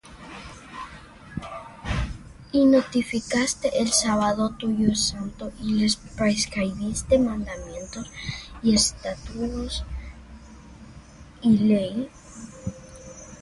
Y notificásteles el sábado tuyo santo, y les prescribiste, mandamientos y estatutos y ley.